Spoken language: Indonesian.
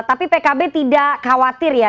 tapi pkb tidak khawatir ya